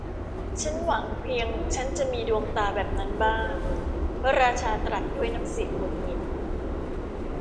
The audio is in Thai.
ชั้นหวังเพียงชั้นจะมีดวงตาแบบนั้นบ้าง พระราชาตรัสด้วยน้ำเสียงหงุดหงิด